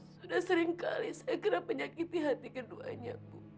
sudah sering kali saya kerap menyakiti hati keduanya